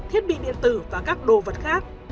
thiết bị điện tử và các đồ vật khác